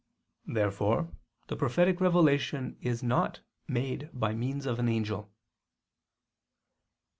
Therefore the prophetic revelation is not made by means of an angel.